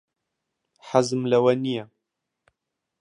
حەزم لەوە نییە.